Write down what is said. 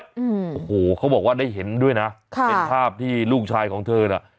อืมโอ้โหเขาบอกว่าได้เห็นด้วยนะค่ะเป็นภาพที่ลูกชายของเธอน่ะ